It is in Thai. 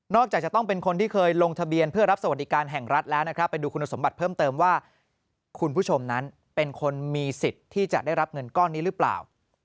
จากจะต้องเป็นคนที่เคยลงทะเบียนเพื่อรับสวัสดิการแห่งรัฐแล้วนะครับไปดูคุณสมบัติเพิ่มเติมว่าคุณผู้ชมนั้นเป็นคนมีสิทธิ์ที่จะได้รับเงินก้อนนี้หรือเปล่า